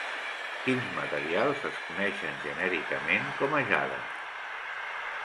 Quins materials es coneixen genèricament com a jade?